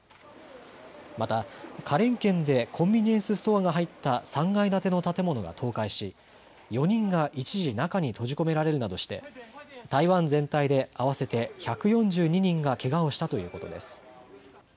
また花蓮県でコンビニエンスストアが入った３階建ての建物が倒壊し、４人が一時、中に閉じ込められるなどして台湾全体で合わせて１４２人がけがをしたということです。